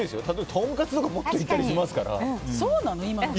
とんかつとかももっといったりしますから。